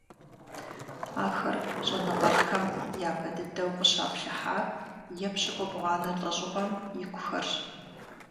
Ахэр щӀэныгъэлӀхэм япэ дыдэу къыщаплъыхьар епщыкӏубгъуанэ лӀэщӀыгъуэм икухэрщ.